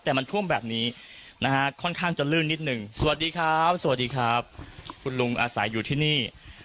แต่มันท่วมแบบนี้นะฮะค่อนข้างจะลื่นนิดหนึ่งสวัสดีครับสวัสดีครับคุณลุงอาศัยอยู่ที่นี่